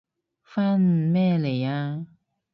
返咩嚟啊？